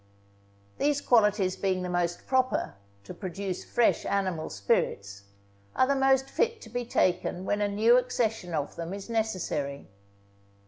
These qualities being the most proper to produce fresh animal spirits, are the most fit to be taken when a new accession of them is necessary.